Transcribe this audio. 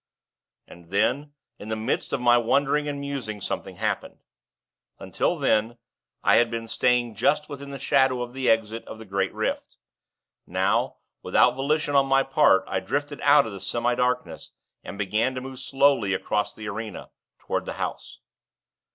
And then, in the midst of my wondering and musing, something happened. Until then, I had been staying just within the shadow of the exit of the great rift. Now, without volition on my part, I drifted out of the semi darkness and began to move slowly across the arena toward the House.